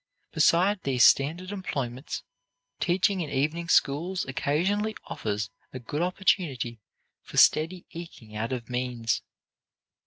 Beside these standard employments, teaching in evening schools occasionally offers a good opportunity for steady eking out of means.